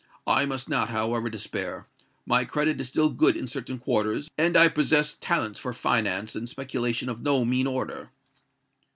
I must not, however, despair: my credit is still good in certain quarters; and I possess talents for finance and speculation of no mean order."